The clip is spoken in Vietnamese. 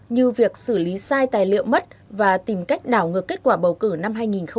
như việc xử lý sai tài liệu mất và tìm cách đảo ngược kết quả bầu cử năm hai nghìn một mươi năm